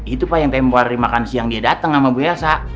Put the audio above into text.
itu pak yang tempor di makan siang dia datang sama bu elsa